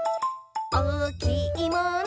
「おおきいもの？